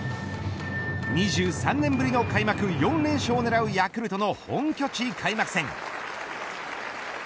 ２３年ぶりの開幕４連勝を狙うヤクルトの本拠地開幕戦。